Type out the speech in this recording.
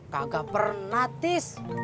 kagak pernah tis